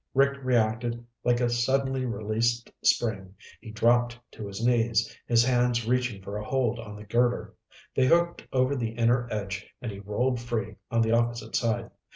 Rick reacted like a suddenly released spring. He dropped to his knees, his hands reaching for a hold on the girder. They hooked over the inner edge and he rolled free on the opposite side.